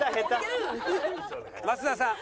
益田さん